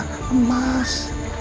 aku gak bisa beres